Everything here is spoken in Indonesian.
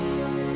ya ke belakang